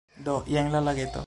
Do, jen la lageto